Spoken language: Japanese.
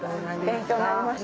勉強になりました。